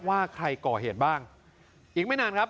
ว่าใครก่อเหตุบ้างอีกไม่นานครับ